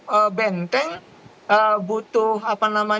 golkar tidak butuh pak jokowi